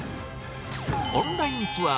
オンラインツアー